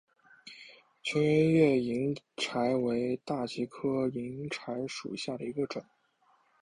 全缘叶银柴为大戟科银柴属下的一个种。